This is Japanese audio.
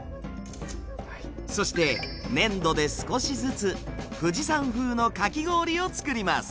そして粘土で少しずつ富士山風のかき氷を作ります。